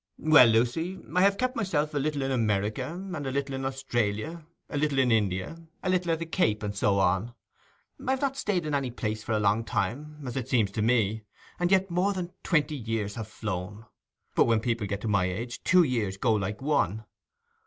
'Well, Lucy, I have kept myself a little in America, and a little in Australia, a little in India, a little at the Cape, and so on; I have not stayed in any place for a long time, as it seems to me, and yet more than twenty years have flown. But when people get to my age two years go like one!